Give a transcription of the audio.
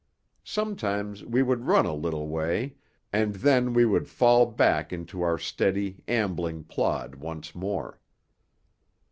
Sometimes we would run a little way, and then we would fall back into our steady, ambling plod once more.